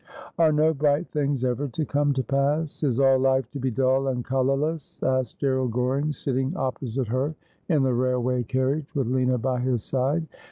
' Are no bright things ever to come to pass ? Is all life to be dull and colourless ?' asked Gerald Goring, sitting opposite her in the railway carriage, with Lina by his side.